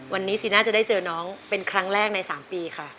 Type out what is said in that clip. วันนี้สีน่าจะได้เจอน้องเป็นครั้งแรกใน๓ปีค่ะ